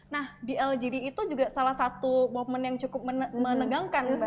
nah di lgd itu juga salah satu momen yang cukup menegangkan